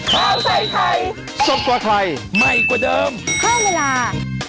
ข้าวใส่ไทยสดกว่าไทยใหม่กว่าเดิมเพิ่มเวลา